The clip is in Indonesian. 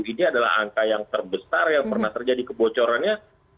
ini adalah angka yang terbesar yang pernah terjadi kebocorannya